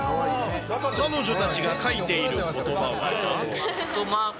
彼女たちが書いていることばは？